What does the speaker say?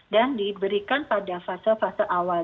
dan diberikan pada fase fase awal